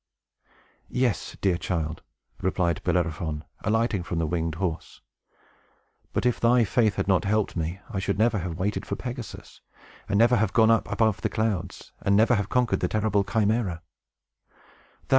"Yes, dear child!" replied Bellerophon, alighting from the winged horse. "But if thy faith had not helped me, I should never have waited for Pegasus, and never have gone up above the clouds, and never have conquered the terrible Chimæra.